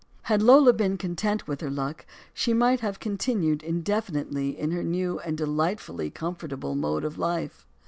Had Lola been content with her luck, she might have continued indefinitely in her new and delightfully comfortable mode of life.